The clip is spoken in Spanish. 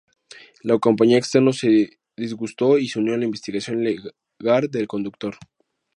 La compañía externo su disgusto y se unió a la investigación legar del conductor.